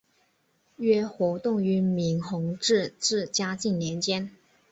约活动于明弘治至嘉靖年间。